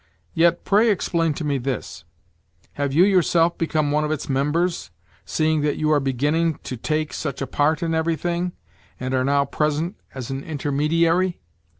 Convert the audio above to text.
Yet pray explain to me this: have you yourself become one of its members, seeing that you are beginning to take such a part in everything, and are now present as an intermediary?"